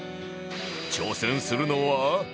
挑戦するのは？